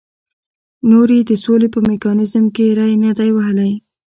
نور یې د سولې په میکانیزم کې ری نه دی وهلی.